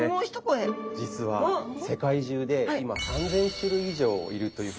実は世界中で今３，０００種類以上いるというふうに。